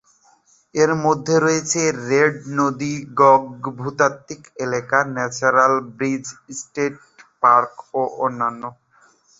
এর মধ্যে রয়েছে রেড নদী গর্গ ভূতাত্ত্বিক এলাকা, ন্যাচারাল ব্রিজ স্টেট পার্ক এবং অন্যান্য।